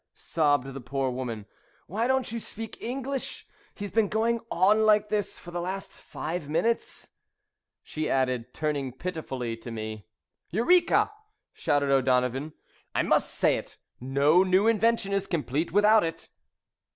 sobbed the poor woman. "Why don't you speak English? He has been going on like this for the last five minutes," she added, turning pitifully to me. [Illustration: "'WHAT IS THE MATTER?'"] "Eureka!" shouted O'Donovan. "I must say it. No new invention is complete without it."